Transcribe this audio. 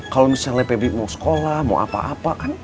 kalo misalnya pebri mau sekolah mau apa apa kan